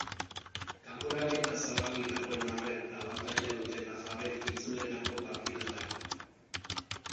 Kanporaketa zabalik dagoen arren abantaila dute nafarrek itzulerako partidarako.